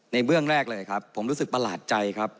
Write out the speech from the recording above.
เบื้องแรกเลยครับผมรู้สึกประหลาดใจครับ